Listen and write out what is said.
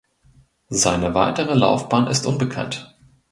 Seine weitere Laufbahn ist unbekannt.